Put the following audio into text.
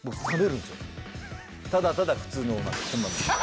ただただ普通の。